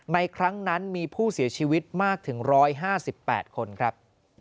ในครั้งนั้นมีผู้เสียชีวิตมากถึงร้อยห้าสิบแปดคนครับ